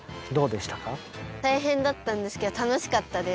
たいへんだったんですけどたのしかったです。